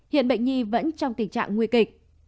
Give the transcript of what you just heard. hiện bệnh nhi vẫn trong tình trạng nguy kịch